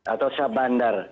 atau syah bandar